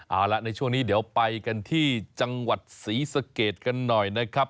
เอาละในช่วงนี้เดี๋ยวไปกันที่จังหวัดศรีสะเกดกันหน่อยนะครับ